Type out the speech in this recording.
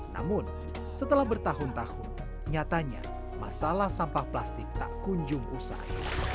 namun setelah bertahun tahun nyatanya masalah sampah plastik tak kunjung usai